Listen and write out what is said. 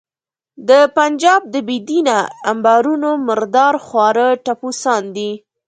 د پنجاب د بې دینه امبارونو مردار خواره ټپوسان دي.